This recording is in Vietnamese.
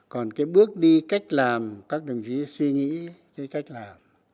còn cái bước đi cách làm các đồng chí suy nghĩ cái cách làm